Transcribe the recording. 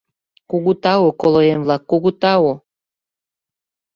— Кугу тау, колоем-влак, кугу тау!